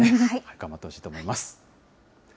頑張ってほしいと思います。